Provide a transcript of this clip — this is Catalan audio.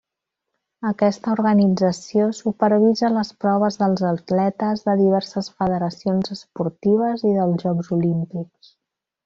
Aquesta organització supervisa les proves dels atletes de diverses federacions esportives i dels Jocs Olímpics.